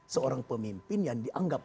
seorang pemimpin yang dianggap